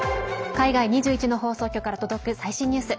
海外２１の放送局から届く最新ニュース。